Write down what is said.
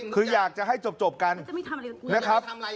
คืออยากจะให้จบกันนะครับ